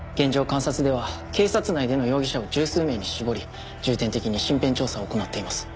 監察では警察内での容疑者を十数名に絞り重点的に身辺調査を行っています。